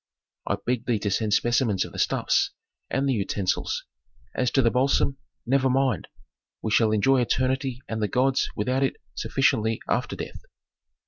"I beg thee to send specimens of the stuffs, and the utensils. As to the balsam, never mind! We shall enjoy eternity and the gods without it sufficiently after death."